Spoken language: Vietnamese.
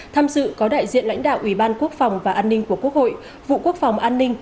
tham dự có đại diện lãnh đạo ủy ban quốc phòng và an ninh của quốc hội vụ quốc phòng an ninh